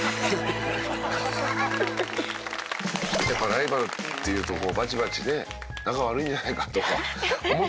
やっぱライバルっていうとバチバチで仲悪いんじゃないかとか思ってたのやっぱり。